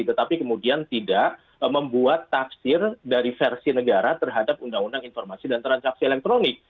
tetapi kemudian tidak membuat tafsir dari versi negara terhadap undang undang informasi dan transaksi elektronik